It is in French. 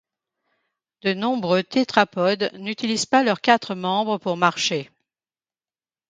De nombreux tétrapodes n'utilisent pas leurs quatre membres pour marcher.